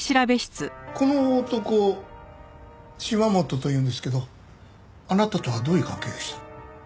この男島本というんですけどあなたとはどういう関係でした？